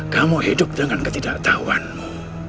kamu hidup dengan ketidaktahuanmu